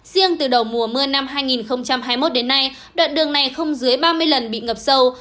riêng từ đầu mùa mưa năm hai nghìn hai mươi một đến nay đoạn đường này không dưới ba mươi lần bị ngập sâu